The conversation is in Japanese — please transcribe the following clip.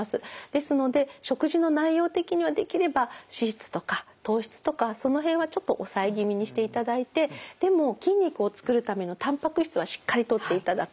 ですので食事の内容的にはできれば脂質とか糖質とかその辺はちょっと抑え気味にしていただいてでも筋肉を作るためのたんぱく質はしっかりとっていただく。